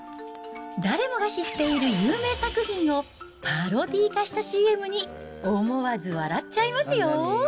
誰もが知っている有名作品を、パロディ化したＣＭに、思わず笑っちゃいますよ。